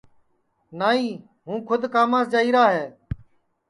نائی ہوں کُھد کاماس جائیرا ہے